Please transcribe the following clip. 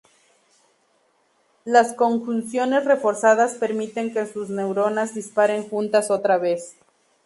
Las conjunciones reforzadas permiten que sus neuronas disparen juntas otra vez.